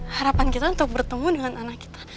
harapan kita untuk bertemu dengan anak kita